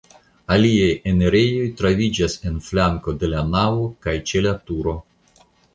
Aliaj enirejoj troviĝas en flanko de la navo kaj ĉe la turo.